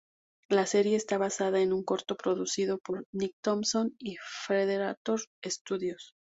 La serie está basada en un corto producido por Nicktoons y Frederator Studios.